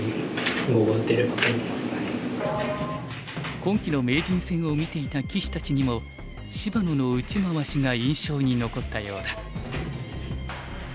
今期の名人戦を見ていた棋士たちにも芝野の打ち回しが印象に残ったようだ。